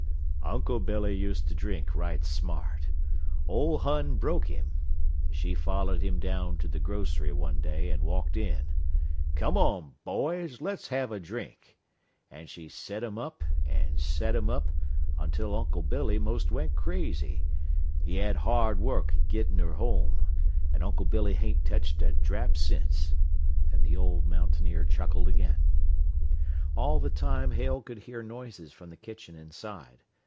"Uncle Billy used to drink right smart. Ole Hon broke him. She followed him down to the grocery one day and walked in. 'Come on, boys let's have a drink'; and she set 'em up an' set 'em up until Uncle Billy most went crazy. He had hard work gittin' her home, an' Uncle Billy hain't teched a drap since." And the old mountaineer chuckled again. All the time Hale could hear noises from the kitchen inside.